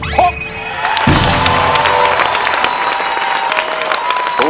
เป็นอินโทรเพลงที่๔มูลค่า๖๐๐๐๐บาท